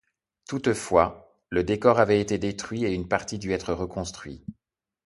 Toutefois, le décors avait été détruit et une partie dû être reconstruit.